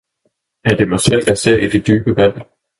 »Er det mig selv, jeg seer i det dybe Vand!